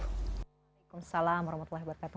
waalaikumsalam warahmatullahi wabarakatuh